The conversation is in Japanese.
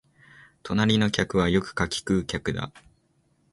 隣の客はよくかき食う客だ